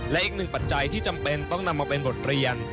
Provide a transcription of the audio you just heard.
และอีกหนึ่งปัจจัยที่จำเป็นต้องนำมาเป็นบทเรียน